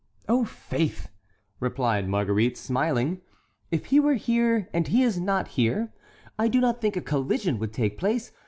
"Oh, faith!" replied Marguerite, smiling, "if he were here, and he is not here, I do not think a collision would take place.